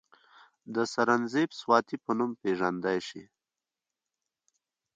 د سرنزېب سواتي پۀ نوم پ ېژندے شي،